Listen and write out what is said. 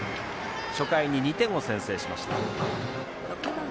初回に２点を先制しました。